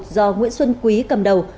do nguyễn xuân quý cầm đầu